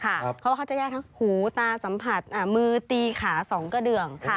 เพราะว่าเขาจะแยกทั้งหูตาสัมผัสมือตีขา๒กระเดือง